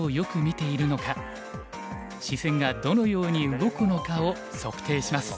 「視線がどのように動くのか？」を測定します。